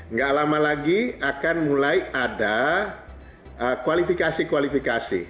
nggak lama lagi akan mulai ada kualifikasi kualifikasi